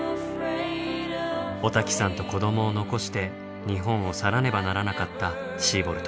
おたきさんと子どもを残して日本を去らねばならなかったシーボルト。